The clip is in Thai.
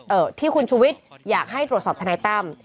เอ่อที่คุณชุวิตอยากให้ตรวจสอบธนัยต้ำ